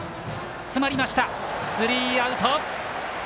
スリーアウト。